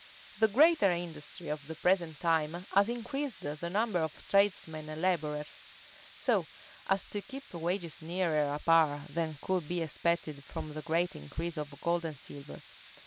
The greater industry of the present times has increased the number of tradesmen and laborers, so as to keep wages nearer a par than could be expected from the great increase of gold and silver.